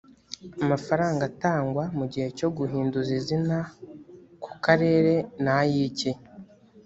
amafaranga atangwa mu gihe cyo guhinduza izina ku karere ni ayiki‽